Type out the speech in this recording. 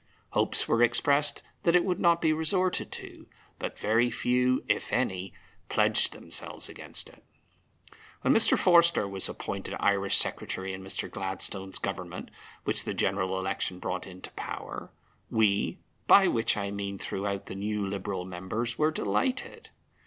Hopes were expressed that it would not be resorted to, but very few (if any) pledged themselves against it. When Mr. Forster was appointed Irish Secretary in Mr. Gladstone's Government which the General Election brought into power, we (by which I mean throughout the new Liberal members) were delighted.